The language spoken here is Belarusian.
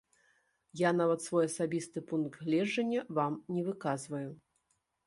Я нават свой асабісты пункт гледжання вам не выказваю.